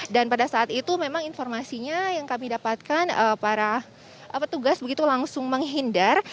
dan pada saat itu memang informasinya yang kami dapatkan para petugas begitu langsung menghindar